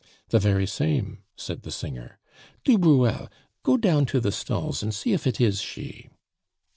"The very same," said the singer. "Du Bruel, go down to the stalls and see if it is she."